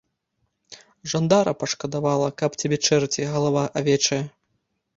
Жандара пашкадавала, каб цябе чэрці, галава авечая.